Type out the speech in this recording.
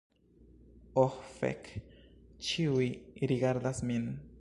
Oh fek, ĉiuj rigardas min